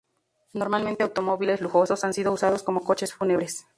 Normalmente automóviles lujosos han sido usados como coches fúnebres.